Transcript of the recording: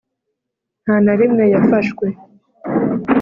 nta na rimwe yafashwe.